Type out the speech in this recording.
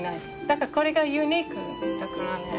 だからこれがユニークだと思うのね。